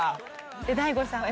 大悟さん